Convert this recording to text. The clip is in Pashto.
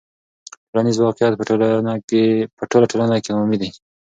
ټولنیز واقعیت په ټوله ټولنه کې عمومي دی.